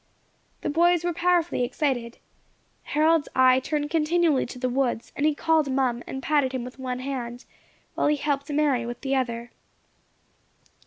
The boys were powerfully excited. Harold's eye turned continually to the woods, and he called Mum, and patted him with one hand, while he helped Mary with the other.